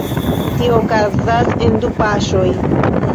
Tio okazas en du paŝoj.